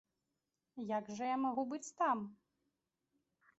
Як жа я магу быць там?